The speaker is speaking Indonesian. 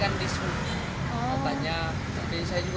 katanya saya juga saya tahu juga